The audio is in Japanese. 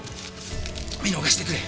見逃してくれ。